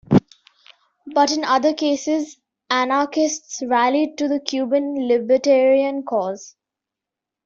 But in other cases, anarchists rallied to the Cuban libertarian cause.